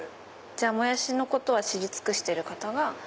じゃあモヤシのことは知り尽くしてる方が。